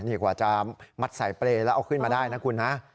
นี่กว่าจะมัดใส่เปรย์แล้วเอาขึ้นมาได้นะคุณนะ